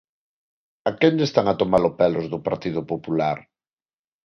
¿A quen lle están a tomar o pelo os do Partido Popular?